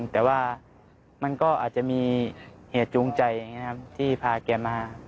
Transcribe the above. แต่ว่ามันก็อาจจะมีเหตุจูงใจที่พาแกมา